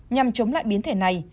nhằm chống lại biến thể này